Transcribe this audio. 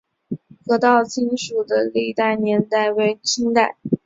清河道署的历史年代为清代。